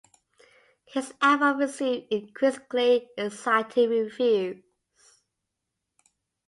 His albums receive increasingly exciting reviews.